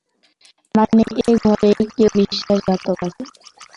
মানে এই ঘরেই কেউ বিশ্বাসঘাতক আছে।